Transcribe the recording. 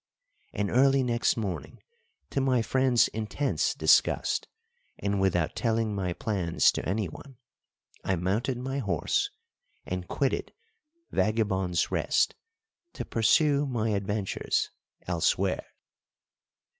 And early next morning, to my friend's intense disgust, and without telling my plans to anyone, I mounted my horse and quitted Vagabond's Rest to pursue my adventures elsewhere.